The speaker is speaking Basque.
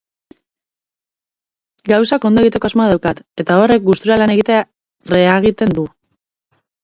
Gauzak ondo egiteko asmoa daukat, eta horrek gustura lan egitea reagiten du.